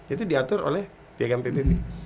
itu diatur oleh piagam pbb